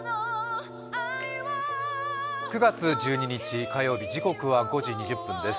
９月１２日火曜日時刻は５時２０分です。